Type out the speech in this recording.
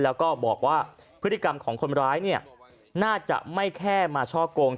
แล้วก็บอกว่าพฤติกรรมของคนร้ายเนี่ยน่าจะไม่แค่มาช่อกง